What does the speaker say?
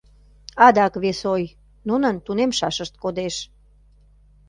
— Адак вес ой: нунын тунемшашышт кодеш.